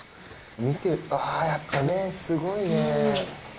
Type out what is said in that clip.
見てあぁやっぱ目すごいね。